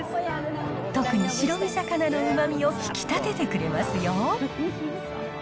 特に白身魚のうまみを引き立ててくれますよ。